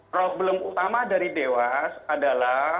problem utama dari dewas adalah